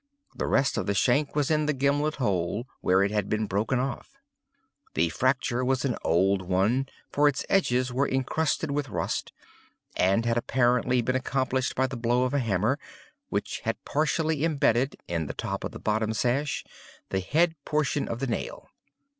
The rest of the shank was in the gimlet hole where it had been broken off. The fracture was an old one (for its edges were incrusted with rust), and had apparently been accomplished by the blow of a hammer, which had partially imbedded, in the top of the bottom sash, the head portion of the nail.